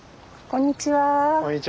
こんにちは。